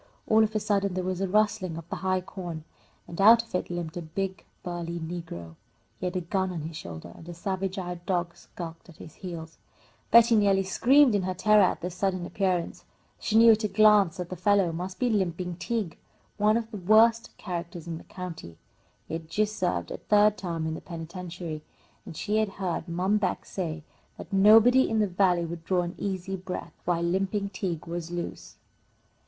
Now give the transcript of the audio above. All of a sudden there was a rustling of the high corn, and out of it limped a big burly negro. He had a gun on his shoulder, and a savage eyed dog skulked at his heels. Betty nearly screamed in her terror at this sudden appearance. She knew at a glance that the fellow must be "Limping Tige," one of the worst characters in the county. He had just served a third term in the penitentiary, and she had heard Mom Beck say that nobody in the Valley would draw an easy breath while Limping Tige was loose.